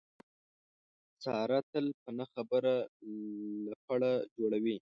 ساره تل په نه خبره لپړه جوړوي.